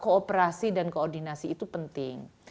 kooperasi dan koordinasi itu penting